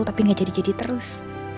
tapi gak jadi jadi terus